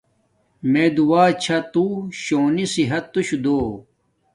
میے دعا چھا تو شوںی صحت تس کوٹ آݹ